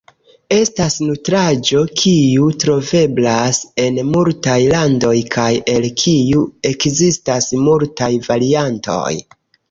Estas nutraĵo kiu troveblas en multaj landoj, kaj el kiu ekzistas multaj variantoj.